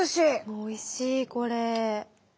おいしいこれ。